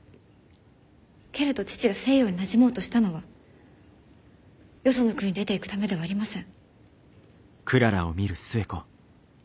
けれど父が西洋になじもうとしたのはよその国に出ていくためではありません。